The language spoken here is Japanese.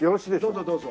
どうぞどうぞ。